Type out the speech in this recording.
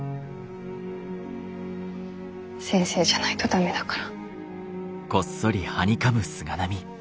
先生じゃないと駄目だから。